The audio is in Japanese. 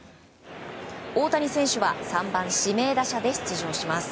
大谷選手は３番指名打者で出場します。